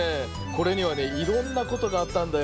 これにはねいろんなことがあったんだよ。